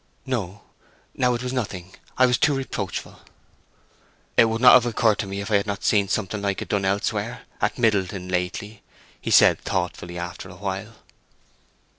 "No, now—it was nothing. I was too reproachful." "It would not have occurred to me if I had not seen something like it done elsewhere—at Middleton lately," he said, thoughtfully, after a while.